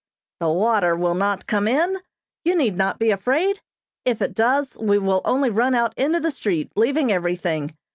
"The water will not come in. You need not be afraid. If it does, we will only run out into the street, leaving everything.